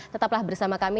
tetaplah bersama kami